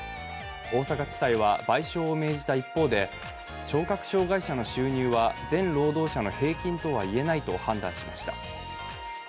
大阪地裁は賠償を命じた一方で聴覚障害者の収入は全労働者の平均とはいえないと判断しました。